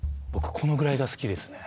このぐらいが好きですね